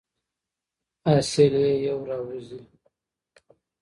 حاصل یې یو را وزي.